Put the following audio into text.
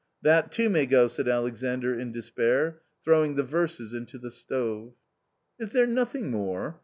" That too may go !" said Alexander in despair, throwing the verses into the stove. " Is there nothing more